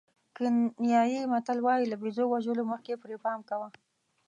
کینیايي متل وایي له بېزو وژلو مخکې پرې پام کوه.